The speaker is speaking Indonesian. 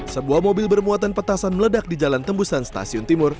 sebuah mobil bermuatan petasan meledak di jalan tembusan stasiun timur